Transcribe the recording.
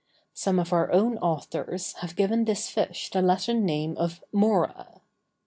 Some of our own authors have given this fish the Latin name of "mora."